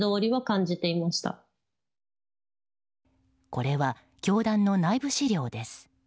これは教団の内部資料です。